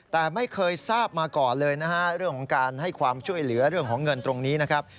แต่ไม่เคยทราบมาก่อนเลยนะฮะเรื่องของการให้ความช่วยเหลือเรื่องของเงินตรงนี้นะครับ